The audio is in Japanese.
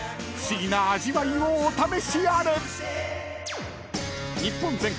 ［不思議な味わいをお試しあれ！］